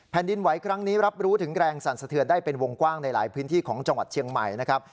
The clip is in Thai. ดินไหวครั้งนี้รับรู้ถึงแรงสั่นสะเทือนได้เป็นวงกว้างในหลายพื้นที่ของจังหวัดเชียงใหม่นะครับ